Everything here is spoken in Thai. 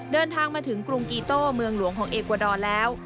เดินทางมาถึงกรุงกีโต้เมืองหลวงของเอกวาดอร์แล้ว